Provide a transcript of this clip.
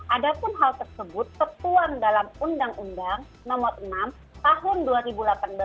ada pun hal tersebut tertuang dalam undang undang nomor enam tahun dua ribu delapan belas